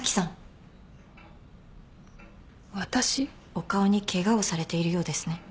お顔にケガをされているようですね。